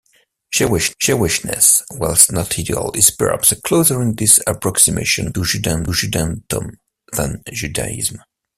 'Jewishness', whilst not ideal, is perhaps a closer English approximation to 'Judentum' than 'Judaism'.